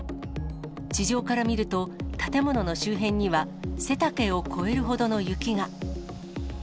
地上から見ると、建物の周辺には、背丈を越えるほどの雪が。